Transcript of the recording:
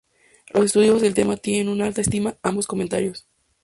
Los estudiosos del tema tienen en alta estima ambos comentarios.